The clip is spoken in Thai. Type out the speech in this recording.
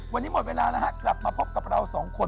วันนี้หมดเวลาแล้วฮะกลับมาพบกับเราสองคน